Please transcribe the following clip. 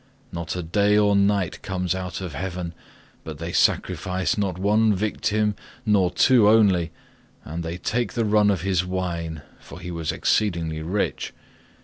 Not a day or night comes out of heaven, but they sacrifice not one victim nor two only, and they take the run of his wine, for he was exceedingly rich.